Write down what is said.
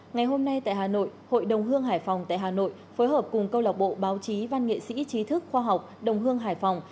ngày hôm nay tại hà nội hội đồng hương hải phòng tại hà nội phối hợp cùng câu lạc bộ báo chí văn nghệ sĩ trí thức khoa học đồng hương hải phòng